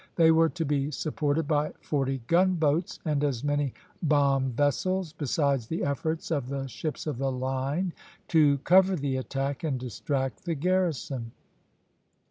They were to be supported by forty gunboats and as many bomb vessels, besides the efforts of the ships of the line to cover the attack and distract the garrison.